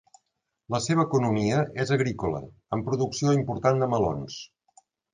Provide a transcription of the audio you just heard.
La seva economia és agrícola amb producció important de melons.